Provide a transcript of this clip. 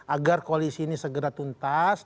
agar koalisi ini segera tuntas